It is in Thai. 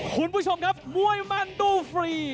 คุณผู้ชมครับมวยมันดูฟรี